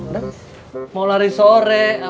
nanti kita ke sana